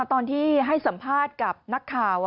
ตอนที่ให้สัมภาษณ์กับนักข่าว